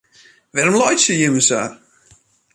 Wêrom laitsje jimme sa?